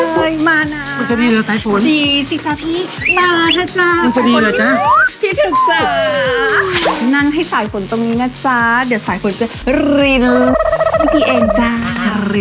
ขาด้วยหรอ